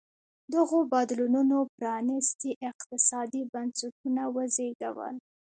دغو بدلونونو پرانېستي اقتصادي بنسټونه وزېږول.